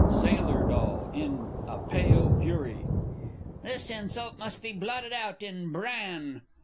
_ Sailor D. (in a pale fury). This insult must be blotted out in bran!